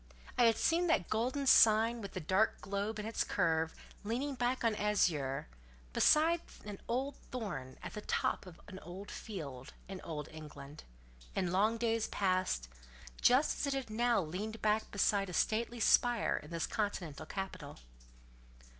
I had seen that golden sign with the dark globe in its curve leaning back on azure, beside an old thorn at the top of an old field, in Old England, in long past days, just as it now leaned back beside a stately spire in this continental capital.